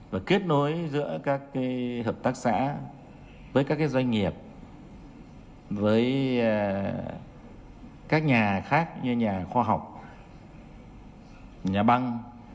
và kết nối giữa các hợp tác xã với các doanh nghiệp với các nhà khác như nhà khoa học nhà băng